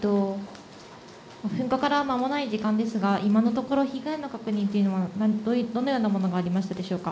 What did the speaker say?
噴火から間もない時間ですが今のところ被害の確認というものは、どのようなものがありましたでしょうか。